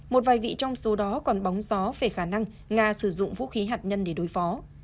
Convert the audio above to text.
một vài vị trong số đó còn bóng gió về khả năng nga sử dụng vũ khí hạt nhân để đối phó